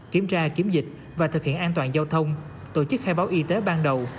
kiểm tra kiểm dịch và thực hiện an toàn giao thông tổ chức khai báo y tế ban đầu